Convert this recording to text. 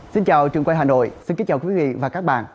xin chào trường quay hà nội xin kính chào quý vị và các bạn